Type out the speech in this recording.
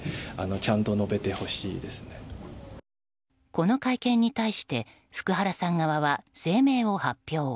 この会見に対して福原さん側は声明を発表。